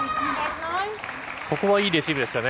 ここはいいレシーブでしたね。